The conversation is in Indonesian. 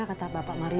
kata bapak mario